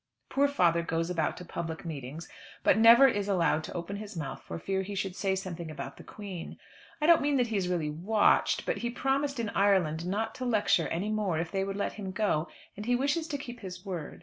Poor father goes about to public meetings, but never is allowed to open his mouth for fear he should say something about the Queen. I don't mean that he is really watched, but he promised in Ireland not to lecture any more if they would let him go, and he wishes to keep his word.